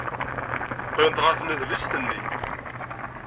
Qqlent ɣer tnedlist-nni.